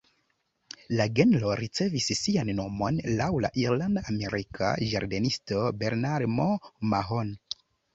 La genro ricevis sian nomon laŭ la irlanda-amerika ĝardenisto Bernard M’Mahon.